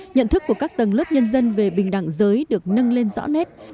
nhận thức của các tầng lớp nhân dân về bình đẳng giới được nâng lên rõ nét